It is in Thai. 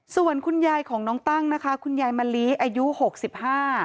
ส่วนคุณยายของน้องตั้งนะคะคุณยายมะลิอายุหกสิบห้า